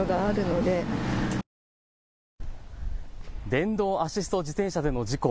電動アシスト自転車での事故。